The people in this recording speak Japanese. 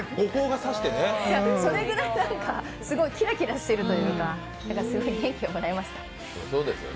それぐらいきらきらしているというか、すごい元気をもらいました。